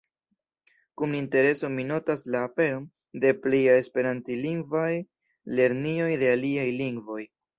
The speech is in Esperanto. Kun intereso mi notas la aperon de pliaj esperantlingvaj lerniloj de aliaj lingvoj.